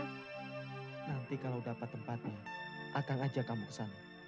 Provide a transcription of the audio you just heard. nanti kalau dapat tempatnya akan ajak kamu ke sana